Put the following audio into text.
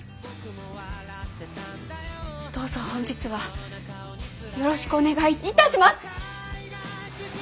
どうぞ本日はよろしくお願いいたします！